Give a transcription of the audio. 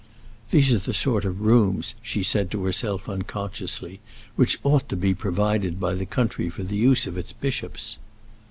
"These are the sort of rooms," she said to herself unconsciously, "which ought to be provided by the country for the use of its bishops."